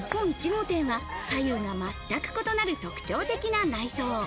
１号店は左右が全く異なる特徴的な内装。